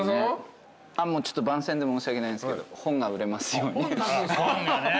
ちょっと番宣で申し訳ないんですけど「本が売れますように」本出すんすか？